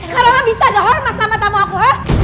karama bisa ga hormat sama tamu aku